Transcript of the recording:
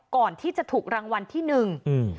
ก่อนที่จะถูกรางวัลที่หนึ่งอืม